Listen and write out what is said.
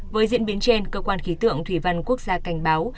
với diễn biến trên cơ quan khí tượng thủy văn quốc gia cảnh báo